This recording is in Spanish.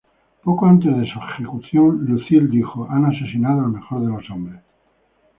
Poco antes de su ejecución, Lucile dijo: "han asesinado al mejor de los hombres.